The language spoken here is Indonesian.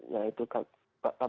dan kembali ke asrama